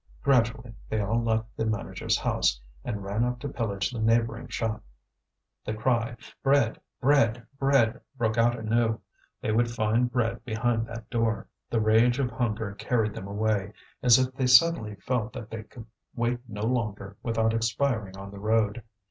Gradually they all left the manager's house, and ran up to pillage the neighbouring shop. The cry, "Bread! bread! bread!" broke out anew. They would find bread behind that door. The rage of hunger carried them away, as if they suddenly felt that they could wait no longer without expiring on the road.